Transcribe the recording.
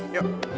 iya apaan sih